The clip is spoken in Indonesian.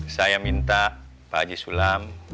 saya minta pak haji sulam